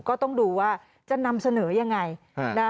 ก็ต้องดูว่าจะนำเสนอยังไง